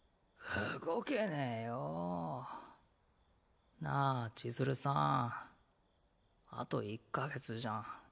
動けねぇよ。なあ千鶴さんあと１か月じゃん。